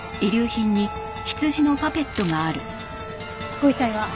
ご遺体は？